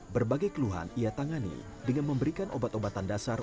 berbagai keluhan ia tangani dengan memberikan obat obatan dasar